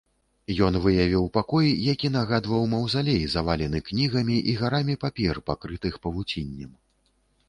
Ён выявіў пакой, які нагадваў маўзалей, завалены кнігамі і гарамі папер, пакрытых павуціннем.